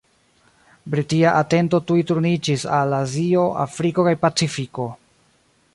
Britia atento tuj turniĝis al Azio, Afriko, kaj Pacifiko.